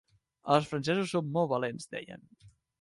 Els francesos són molt valents - deien.